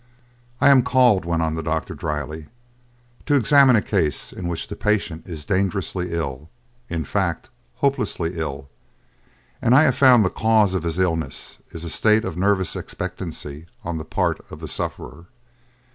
"I am called," went on the doctor dryly, "to examine a case in which the patient is dangerously ill in fact, hopelessly ill, and I have found that the cause of his illness is a state of nervous expectancy on the part of the sufferer.